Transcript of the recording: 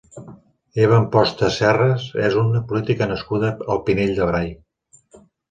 Eva Amposta Serres és una política nascuda al Pinell de Brai.